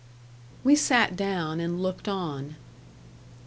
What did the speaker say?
We sat down and looked on.